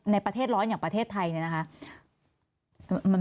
ในประเทศร้อนอย่างประเทศไทยเนี่ยนะคะ